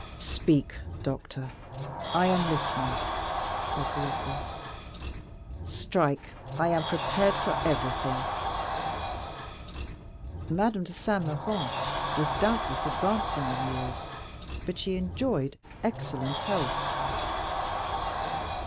"Speak, doctor—I am listening," said Villefort; "strike—I am prepared for everything!" "Madame de Saint Méran was, doubtless, advancing in years, but she enjoyed excellent health."